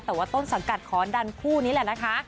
แต่ว่าต้นสังกัดขอดันคู่นี้แหละนะคะ